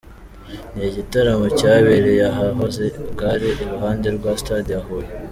Ni igitaramo cyabereye ahahoze gare iruhande rwa stade ya Huye.